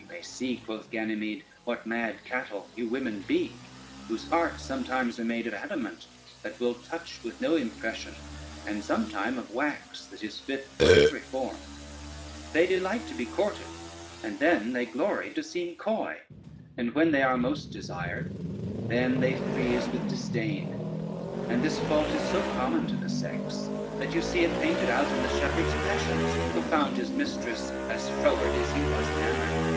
"You may see," quoth Ganymede, "what mad cattle you women be, whose hearts sometimes are made of adamant that will touch with no impression, and sometime of wax that is fit for every form: they delight to be courted, and then they glory to seem coy, and when they are most desired then they freeze with disdain: and this fault is so common to the sex, that you see it painted out in the shepherd's passions, who found his mistress as froward as he was enamored."